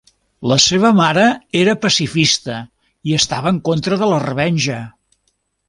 La seva mare era pacifista i estava en contra de la revenja.